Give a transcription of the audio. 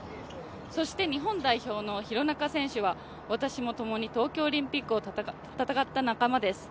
そして、日本代表の廣中選手は私もともに東京オリンピックを戦った仲間です。